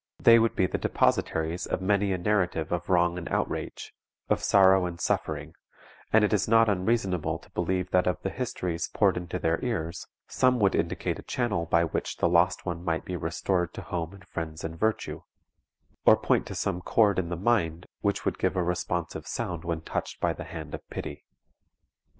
They would be the depositaries of many a narrative of wrong and outrage, of sorrow and suffering, and it is not unreasonable to believe that of the histories poured into their ears some would indicate a channel by which the lost one might be restored to home and friends and virtue, or point to some chord in the mind which would give a responsive sound when touched by the hand of pity.